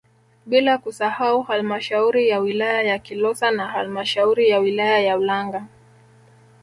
Bila kusahau halmashauri ya wilaya ya Kilosa na halmashauri ya wilaya ya Ulanga